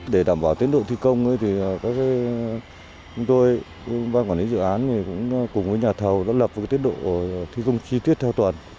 để đảm bảo tiến độ thi công chúng tôi ban quản lý dự án cùng với nhà thầu đã lập tiến độ thi công chim